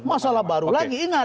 masalah baru lagi ingat